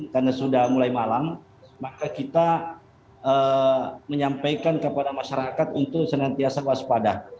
karena sudah mulai malam maka kita menyampaikan kepada masyarakat untuk senantiasa waspada